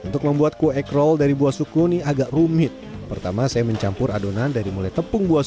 sukun selanjutnya dipotong kecil kecil lalu digiling menjadi tepung